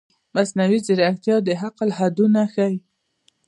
مصنوعي ځیرکتیا د عقل حدونه ښيي.